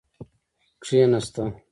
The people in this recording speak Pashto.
کیناسته.